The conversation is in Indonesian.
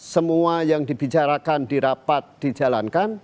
semua yang dibicarakan dirapat dijalankan